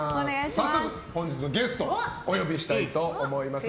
早速本日のゲストお呼びしたいと思います。